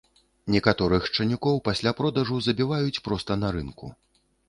Некаторых шчанюкоў пасля продажу забіваюць проста на рынку.